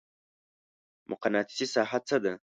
مقناطیسي ساحه څه ده؟